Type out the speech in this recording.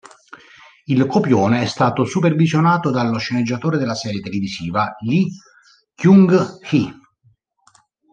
Il copione è stato supervisionato dallo sceneggiatore della serie televisiva, Lee Kyung-hee.